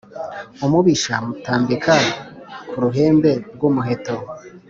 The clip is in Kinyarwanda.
Umubisha mutambika ku ruhembe rw'umuheto